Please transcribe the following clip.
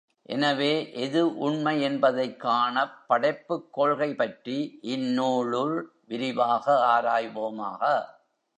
எனவே, எது உண்மை என்பதைக் காணப் படைப்புக் கொள்கை பற்றி இந்நூலுள் விரிவாக ஆராய்வோமாக!